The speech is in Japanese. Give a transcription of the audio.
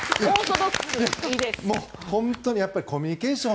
本当にコミュニケーション